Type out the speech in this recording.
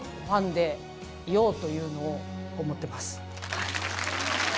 というのを思ってます。